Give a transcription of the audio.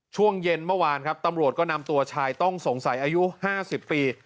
ช่วงเย็นเมื่อวานครับตำรวจก็นำตัวชายต้องสงสัยอายุ๕๐ปี